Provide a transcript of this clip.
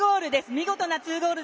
見事な２ゴール。